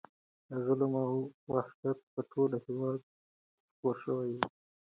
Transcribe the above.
ظلم او وحشت په ټول هېواد کې خپور شوی و.